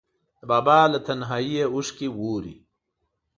د بابا له تنهاییه اوښکې ووري